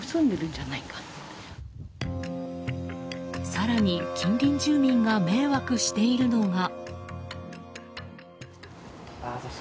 更に近隣住民が迷惑しているのが。